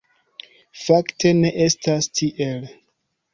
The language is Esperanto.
Fakte ne estas tiel.